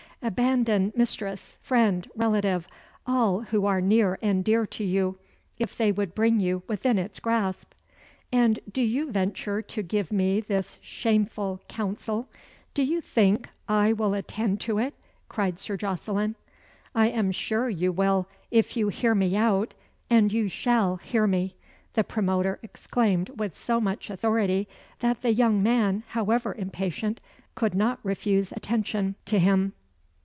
Abandon mistress, friend, relative all who are near and dear to you if they would bring you within its grasp." "And do you venture to give me this shameful council? Do you think I will attend to it?" cried Sir Jocelyn. "I am sure you will, if you hear me out and you shall hear me," the promoter exclaimed with so much authority that the young man, however impatient, could not refuse attention, to him.